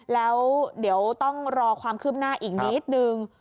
แล้วเดี๋ยวต้องรอความคืบหน้าอีกนิดนึง